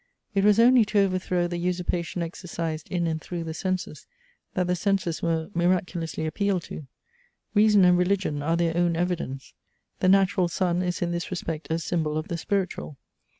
"It was only to overthrow the usurpation exercised in and through the senses, that the senses were miraculously appealed to. REASON AND RELIGION ARE THEIR OWN EVIDENCE. The natural sun is in this respect a symbol of the spiritual.